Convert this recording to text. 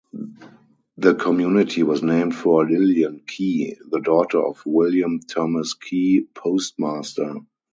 The community was named for Lillian Kee, the daughter of William Thomas Kee, postmaster.